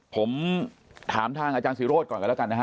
ผมถามทางอาจารย์ศิโรธก่อนกันแล้วกันนะฮะ